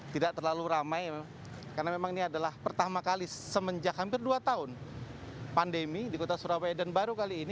tidak terlalu ramai karena memang ini adalah pertama kali semenjak hampir dua tahun pandemi di kota surabaya dan baru kali ini